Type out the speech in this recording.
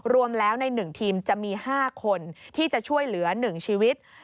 รวมแล้วในหนึ่งทีมจะมี๕คนที่จะช่วยเหลือหนึ่งชีวิต